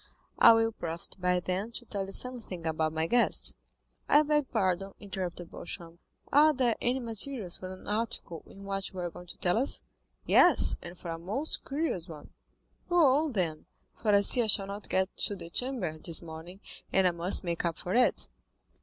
"I will profit by them to tell you something about my guest." "I beg pardon," interrupted Beauchamp; "are there any materials for an article in what you are going to tell us?" "Yes, and for a most curious one." "Go on, then, for I see I shall not get to the Chamber this morning, and I must make up for it."